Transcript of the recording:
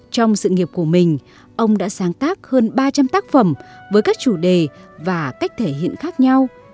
trong sự nghiệp của mình ông đã sáng tác hơn ba trăm linh tác phẩm với các chủ đề và cách thể hiện khác nhau